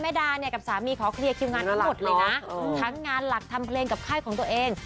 ดาเนี่ยกับสามีขอเคลียร์คิวงานทั้งหมดเลยนะทั้งงานหลักทำเพลงกับค่ายของตัวเอง